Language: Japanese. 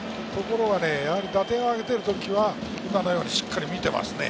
打点を挙げている時は今のようにしっかり見ています。